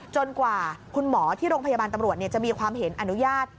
กว่าคุณหมอที่โรงพยาบาลตำรวจจะมีความเห็นอนุญาต